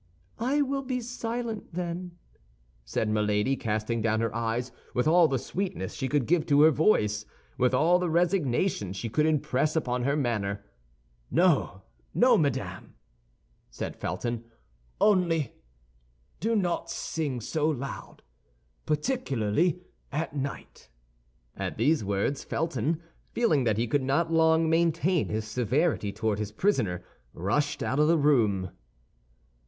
"I will be silent, then," said Milady, casting down her eyes with all the sweetness she could give to her voice, with all the resignation she could impress upon her manner. "No, no, madame," said Felton, "only do not sing so loud, particularly at night." And at these words Felton, feeling that he could not long maintain his severity toward his prisoner, rushed out of the room.